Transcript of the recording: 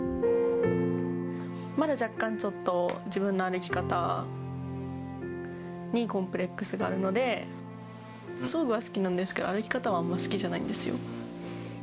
まだ若干、ちょっと自分の歩き方にコンプレックスがあるので、装具は好きなんですけど、歩き方はあんまり好きじゃないんですよ。